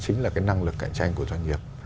chính là cái năng lực cạnh tranh của doanh nghiệp